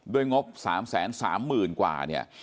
ด้วยงบ๓แสน๓หมื่นกว่าเนี่ย